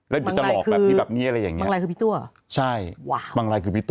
แล้วอยู่ตลอดแบบนี้อะไรอย่างนี้ใช่ว้าวบางรายคือพี่ตู้